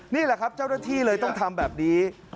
นี่แหละครับเจ้าหน้าที่เลยต้องทำแบบนี้